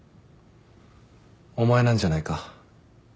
お前なんじゃないか？